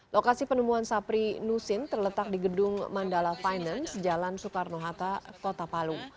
lokasi penemuan sapri nusin terletak di gedung mandala finance jalan soekarno hatta kota palu